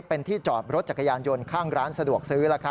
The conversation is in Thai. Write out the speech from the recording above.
เป็นที่จอดรถจักรยานยนต์ข้างร้านสะดวกซื้อ